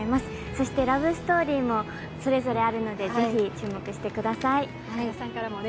そしてラブストーリーもそれぞれあるので、ぜひ注目してください。